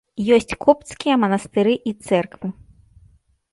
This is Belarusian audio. Ёсць копцкія манастыры і цэрквы.